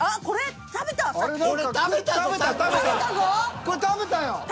これ食べたよ！